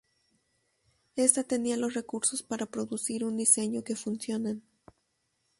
Esta tenía los recursos para producir un diseño que funcionan.